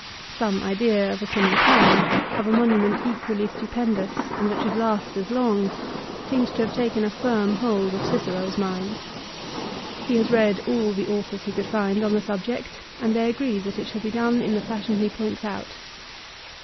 Some idea of a similar kind, of a monument equally stupendous and that should last as long, seems to have taken a firm hold of Cicero's mind. He has read all the authors he could find on the subject, and they agree that it shall be done in the fashion he points out.